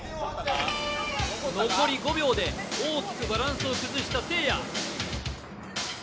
残り５秒で大きくバランスを崩したせいや。